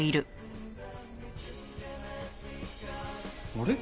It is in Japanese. あれ？